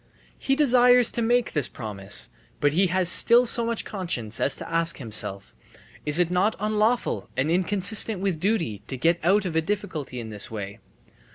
He desires to make this promise, but he has still so much conscience as to ask himself: "Is it not unlawful and inconsistent with duty to get out of a difficulty in this way?"